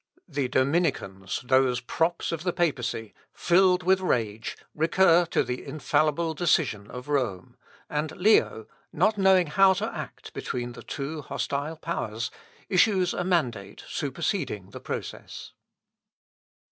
The Dominicans, those props of the papacy, filled with rage, recur to the infallible decision of Rome, and Leo, not knowing how to act between the two hostile powers, issues a mandate superseding the process.